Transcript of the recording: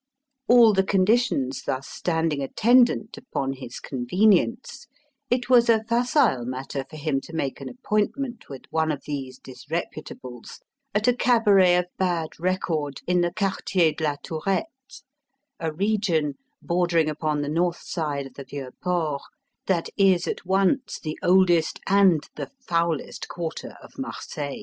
All the conditions thus standing attendant upon his convenience, it was a facile matter for him to make an appointment with one of these disreputables at a cabaret of bad record in the Quartier de la Tourette: a region bordering upon the north side of the Vieux Port that is at once the oldest and the foulest quarter of Marseille.